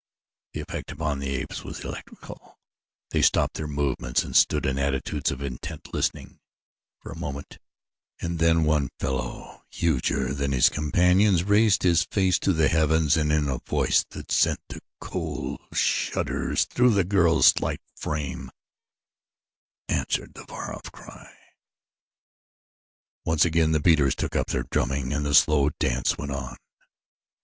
The effect upon the apes was electrical they stopped their movements and stood in attitudes of intent listening for a moment, and then one fellow, huger than his companions, raised his face to the heavens and in a voice that sent the cold shudders through the girl's slight frame answered the far off cry. Once again the beaters took up their drumming and the slow dance went on.